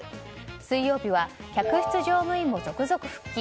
水曜日は客室乗務員も続々復帰。